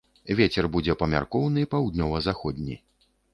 Вецер будзе памяркоўны, паўднёва-заходні.